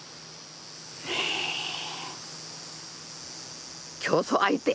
え競争相手。